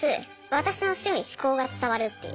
私の趣味嗜好が伝わるっていう。